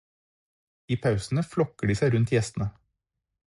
I pausene flokker de seg rundt gjestene.